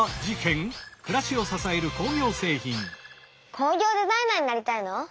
工業デザイナーになりたいの？